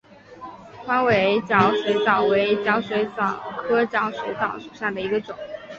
宽尾角水蚤为角水蚤科角水蚤属下的一个种。